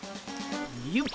よっ。